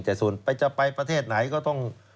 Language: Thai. แต่ส่วนจะไปประเทศไหนก็ต้อง